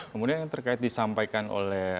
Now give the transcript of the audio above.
kemudian yang terkait disampaikan oleh